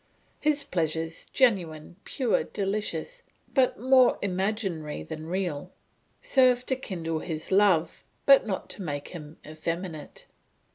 His pleasures, genuine, pure, delicious, but more imaginary than real, serve to kindle his love but not to make him effeminate.